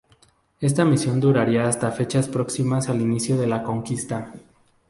Esta misión duraría hasta fechas próximas al inicio de la conquista.